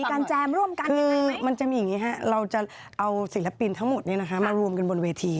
การแจมร่วมกันมันจะมีอย่างนี้ฮะเราจะเอาศิลปินทั้งหมดมารวมกันบนเวที